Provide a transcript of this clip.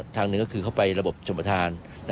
ทางหนึ่งก็คือเข้าไประบบชมประธาน